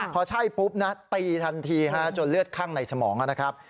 พอใช่ปุ๊บนะตีทันทีจนเลือดข้างในสมองนะครับ